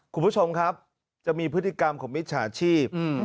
คุณผู้ชมครับจะมีพฤติกรรมของมิจฉาชีพ